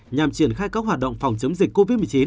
nhằm triển khai các hoạt động phòng chống dịch covid một mươi chín